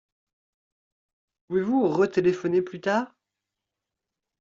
Pouvez-vous retéléphoner plus tard ?